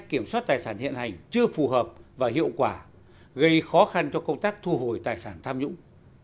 kiểm soát tài sản hiện hành chưa phù hợp và hiệu quả gây khó khăn cho công tác thu hồi tài sản tham nhũng